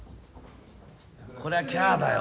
これはキャだよ。